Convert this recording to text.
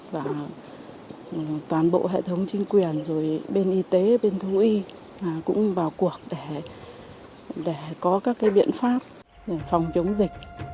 và toàn bộ hệ thống chính quyền bên y tế bên thống y cũng vào cuộc để có các biện pháp để phòng chống dịch